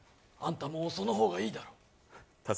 あんたもその方がいいだろ？